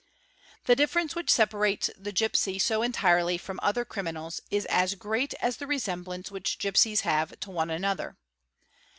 _ The difference which separates the gipsy so entirely from other riminals is as great as the resemblance which gipsies have to one nother.